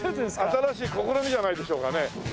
新しい試みじゃないでしょうかね？